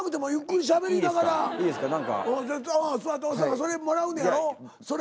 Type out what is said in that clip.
それもらうねやろそれ。